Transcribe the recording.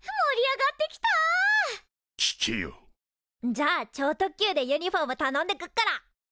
じゃあ超特急でユニフォームたのんでっくから。